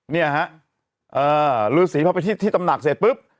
เนี่ยฮะฤษีพอไปที่ตำหนักเสร็จปุ๊บ